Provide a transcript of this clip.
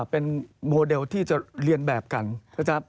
เป็นโมเดลที่จะเรียนแบบกันนะครับ